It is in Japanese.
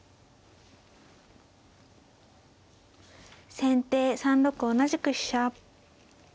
先手３六同じく飛車。